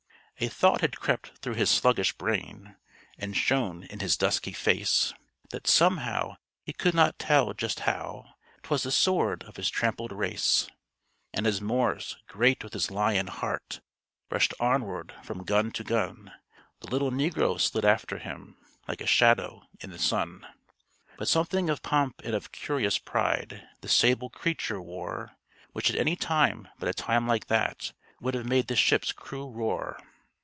A thought had crept through his sluggish brain, And shone in his dusky face, That somehow he could not tell just how 'Twas the sword of his trampled race. And as Morris, great with his lion heart, Rushed onward from gun to gun, The little negro slid after him, Like a shadow in the sun. But something of pomp and of curious pride The sable creature wore, Which at any time but a time like that Would have made the ship's crew roar.